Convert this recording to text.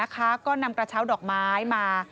ก็นำกระเช้าดอกไม้มา